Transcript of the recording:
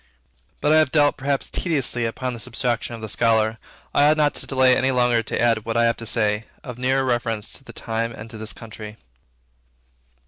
But I have dwelt perhaps tediously upon this abstraction of the Scholar. I ought not to delay longer to add what I have to say, of nearer reference to the time and to this country.